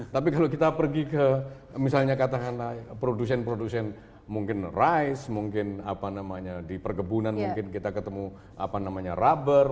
tapi kalau kita pergi ke produsen produsen mungkin rice mungkin di perkebunan mungkin kita ketemu rubber